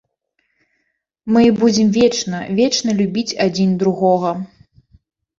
Мы будзем вечна, вечна любіць адзін другога.